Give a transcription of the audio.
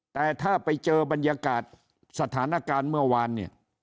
แต่ถ้าไปเจอบรรยากาศสถานการณ์เมื่อวานเนี่ย